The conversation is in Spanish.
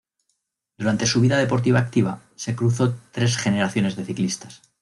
Durante su vida deportiva activa se cruzó tres generaciones de ciclistas.